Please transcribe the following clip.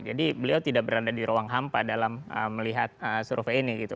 jadi beliau tidak berada di ruang hampa dalam melihat survei ini gitu